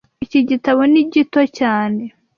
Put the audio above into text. Iki gitabo ni gito cyane